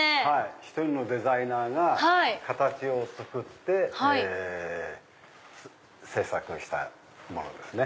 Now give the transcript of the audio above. １人のデザイナーが形を作って制作したものですね。